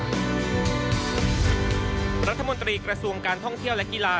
รัฐมนตรีกระทรวงการท่องเที่ยวและกีฬา